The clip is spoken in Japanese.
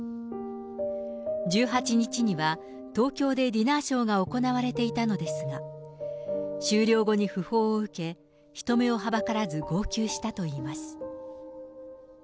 １８日には東京でディナーショーが行われていたのですが、終了後に訃報を受け、人目をはばからず号泣したといいます。